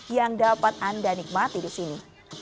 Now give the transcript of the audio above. yang dapat anda nikmati di sini